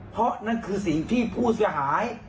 เพราะนั่นคือสิ่งที่ผู้เสียหาย